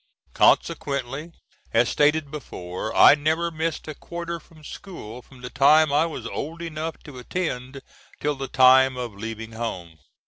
Consequently, as stated before, I never missed a quarter from school from the time I was old enough to attend till the time of leaving home.